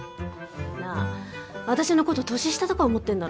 なあ私の事年下とか思ってんだろ？